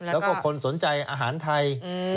แล้วก็คนสนใจอาหารไทย